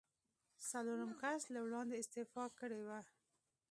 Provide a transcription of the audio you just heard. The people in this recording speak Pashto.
څلورم کس له وړاندې استعفا کړې وه.